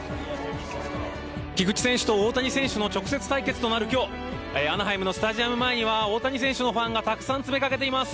菊池選手と大谷選手の直接対決となる今日アナハイムのスタジアム前には大谷選手のファンがたくさん詰めかけています。